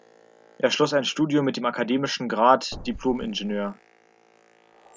Er schloss ein Studium mit dem akademischen Grad "Dipl-Ing.